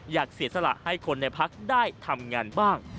อยากเสียสละให้คนในพักได้ทำงานบ้าง